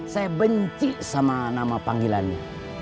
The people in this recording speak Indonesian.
saya benci sama nama panggilannya